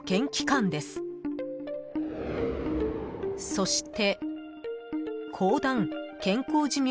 ［そして］